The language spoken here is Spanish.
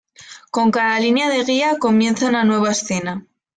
Con cada línea de guía comienza una nueva escena.